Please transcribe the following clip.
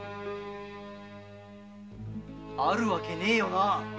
あるわけないよな。